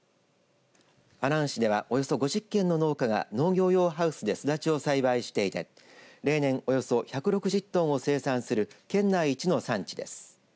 阿南市ではおよそ５０軒の農家が農業用ハウスですだちを栽培していて例年およそ１６０トンを生産する県内一の産地です。